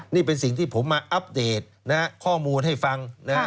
นี่เป็นสิ่งที่ผมมาอัปเดตข้อมูลให้ฟัง